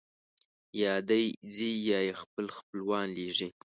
یا دی ځي یا یې خپل خپلوان لېږي.